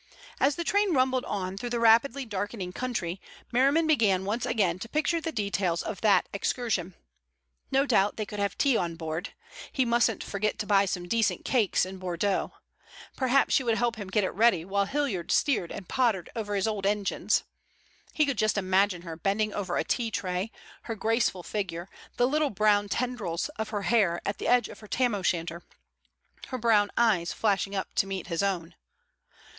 As the train rumbled on through the rapidly darkening country Merriman began once again to picture the details of that excursion. No doubt they could have tea on board.... He mustn't forget to buy some decent cakes in Bordeaux.... Perhaps she would help him to get it ready while Hilliard steered and pottered over his old engines.... He could just imagine her bending over a tea tray, her graceful figure, the little brown tendrils of her hair at the edge of her tam o' shanter, her brown eyes flashing up to meet his own....